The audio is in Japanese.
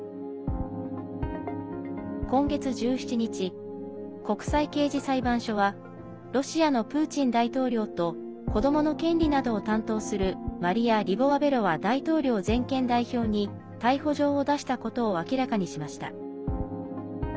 今月１７日、国際刑事裁判所はロシアのプーチン大統領と子どもの権利などを担当するマリヤ・リボワベロワ大統領全権代表に逮捕状を出したことを明らかにしました。